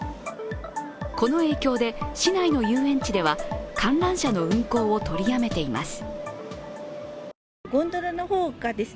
この影響で市内の遊園地では観覧車の運行を取りやめています。